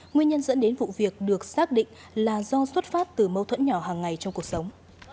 nguyên nhân dẫn đến vụ việc được xác định là do xuất phát từ mâu thuẫn nhỏ hàng ngày trong cuộc sống